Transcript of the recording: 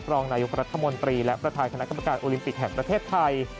รองนายกรัฐมนตรีและประธานคณะกรรมการโอลิมปิกแห่งประเทศไทย